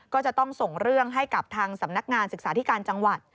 ก็จะต้องส่งเรื่องให้กับทางสำนักงานศึกษาธิการจังหวัด